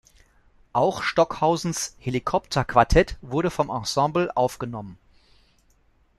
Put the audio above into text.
Auch Stockhausens „Helikopter-Quartett“ wurde vom Ensemble aufgenommen.